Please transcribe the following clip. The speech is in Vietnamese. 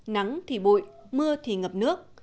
nắng thì bụi mưa thì ngập nước